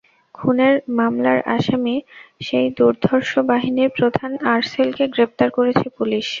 খুনের মামলার আসামি সেই দুর্ধর্ষ বাহিনীর প্রধান আরসেলকে গ্রেপ্তার করেছে পুলিশ।